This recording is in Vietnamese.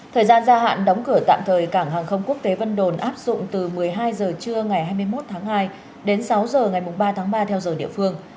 thời gian gia hạn đóng cửa tạm thời cảng hàng không quốc tế vân đồn áp dụng từ một mươi hai h trưa ngày hai mươi một tháng hai đến sáu h ngày ba tháng ba theo giờ địa phương